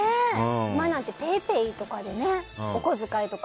今なんてＰａｙＰａｙとかでお小遣いとか。